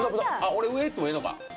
俺上行ってもええのか。